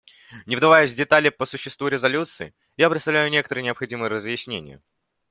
Не вдаваясь в детали по существу резолюции, я представлю некоторые необходимые разъяснения.